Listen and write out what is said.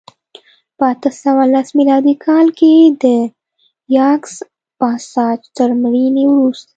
په اته سوه لس میلادي کال کې د یاکس پاساج تر مړینې وروسته